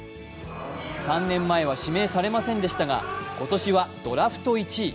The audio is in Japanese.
３年前は指名されませんでしたが、今年はドラフト１位。